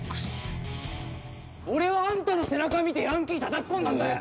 俺はあんたの背中見てヤンキー叩き込んだんだよ！